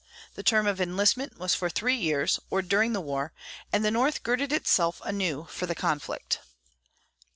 The term of enlistment was for three years, or during the war, and the North girded itself anew for the conflict.